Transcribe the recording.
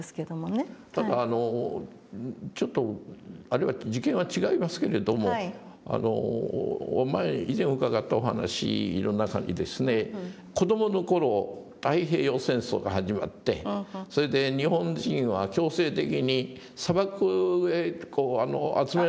ただちょっと次元は違いますけれども以前伺ったお話の中にですね子どもの頃太平洋戦争が始まってそれで日本人は強制的に砂漠へ集められて。